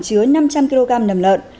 chứa năm trăm linh kg nầm lợn